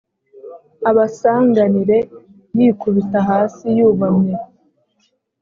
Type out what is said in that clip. abasanganire yikubita hasi yubamye